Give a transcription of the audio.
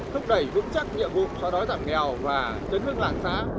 thúc đẩy vững chắc nhiệm vụ xóa đói giảm nghèo và chấn thức lãng xã